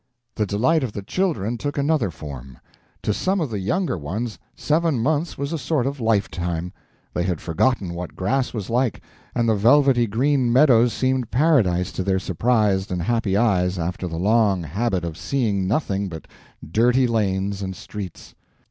The delight of the children took another form. To some of the younger ones seven months was a sort of lifetime. They had forgotten what grass was like, and the velvety green meadows seemed paradise to their surprised and happy eyes after the long habit of seeing nothing but dirty lanes and streets.